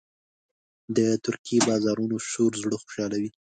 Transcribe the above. د ترکي بازارونو شور زړه خوشحالوي.